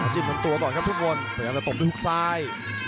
จิ้มขนตัวต่อครับทุกคนพยายามจะตบที่หุ้กซ้าย